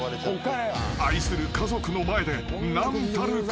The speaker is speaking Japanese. ［愛する家族の前で何たる屈辱］